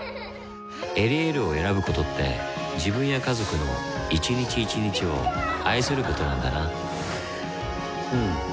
「エリエール」を選ぶことって自分や家族の一日一日を愛することなんだなうん。